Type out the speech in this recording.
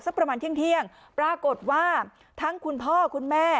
ประมาณเที่ยงปรากฏว่าทั้งคุณพ่อคุณแม่